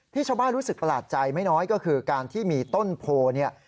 ชาวบ้านรู้สึกประหลาดใจไม่น้อยก็คือการที่มีต้นโพเนี่ย